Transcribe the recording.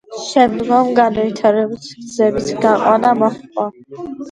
შემდგომ განვითარებას გზების გაყვანა მოჰყვა.